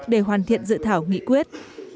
để hoàn thiện dự thảo nghị quyết